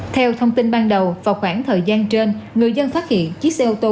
theo thông tin ban đầu vào khoảng thời gian trên người dân phát hiện chiếc xe ô tô